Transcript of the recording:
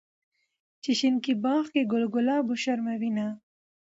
چې شينکي باغ کې ګل ګلاب وشرمووينه